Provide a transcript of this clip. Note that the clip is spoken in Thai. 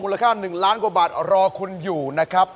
ค่า๑ล้านกว่าบาทรอคุณอยู่นะครับ